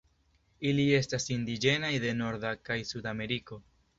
Ili estas indiĝenaj de Norda kaj Sudameriko.